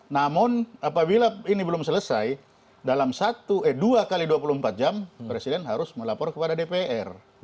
namun apabila ini belum selesai dalam dua x dua puluh empat jam presiden harus melapor kepada dpr